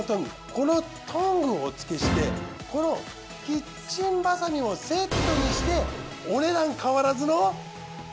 このトングをお付けしてこのキッチンバサミもセットにしてお値段変わらずの。